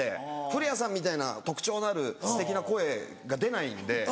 古谷さんみたいな特徴のあるすてきな声が出ないんで。